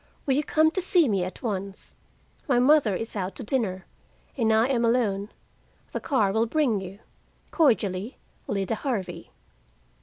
Will you come to see me at once? My mother is out to dinner, and I am alone. The car will bring you. Cordially, "LIDA HARVEY."